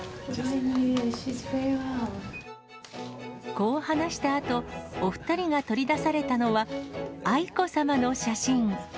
こう話したあと、お２人が取り出されたのは、愛子さまの写真。